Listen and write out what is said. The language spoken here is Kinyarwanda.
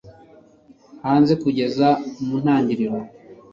hanze kugeza mu ntangiriro